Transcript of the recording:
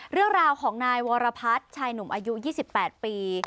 เรื่องราวของนายวรพัฒน์ชายหนุ่มอายุ๒๘ปี